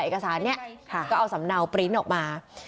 เอกสารนี้ก็เอาสำเนาปริ้นต์ออกมา